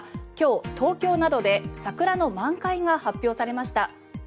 今日、東京などで桜の満開が発表されました。